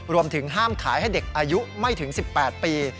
รวมถึงห้ามขายให้เด็กอายุไม่ถึง๑๘ปี